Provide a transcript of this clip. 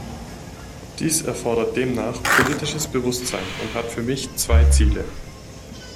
Dies erfordert demnach politisches Bewusstsein und hat für mich zwei Ziele.